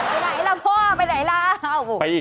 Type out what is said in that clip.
ไปไหนล่ะพ่อไปไหนแล้ว